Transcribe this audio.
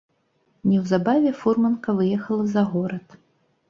Неўзабаве фурманка выехала за горад.